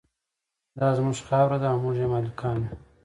دا زموږ خاوره ده او موږ یې مالکان یو.